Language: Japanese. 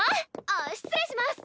あっ失礼します！